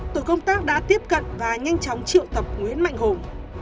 tổ công tác đã tiếp cận và nhanh chóng triệu tập nguyễn mạnh hùng